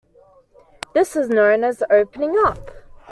This is known as "opening up".